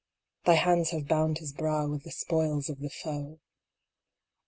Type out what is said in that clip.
Thy hands have bound his brow with the spoils of the foe.